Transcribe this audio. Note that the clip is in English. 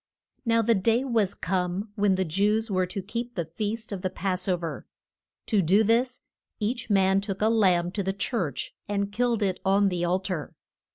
NOW the day was come when the Jews were to keep the feast of the pass o ver. To do this each man took a lamb to the church, and killed it on the al tar.